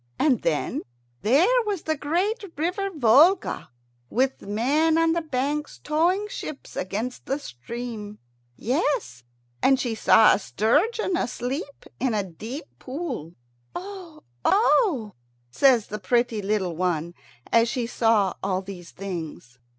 And then there was the great river Volga, with men on the banks towing ships against the stream. Yes, and she saw a sturgeon asleep in a deep pool. "Oh! oh! oh!" says the little pretty one, as she saw all these things.